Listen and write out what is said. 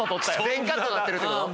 全カットなってるってこと？